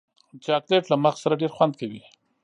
چاکلېټ له مغز سره ډېر خوند کوي.